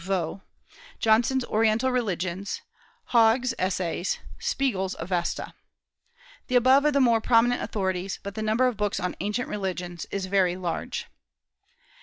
Vaux; Johnson's Oriental Religions; Haug's Essays; Spiegel's Avesta. The above are the more prominent authorities; but the number of books on ancient religions is very large.